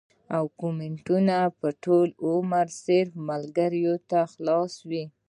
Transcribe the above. او کمنټونه به ټول عمر صرف ملکرو ته خلاص وي